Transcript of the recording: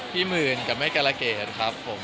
ก็เป็นคนตลกอยู่แล้วอะ